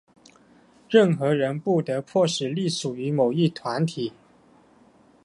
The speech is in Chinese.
任何人不得迫使隶属于某一团体。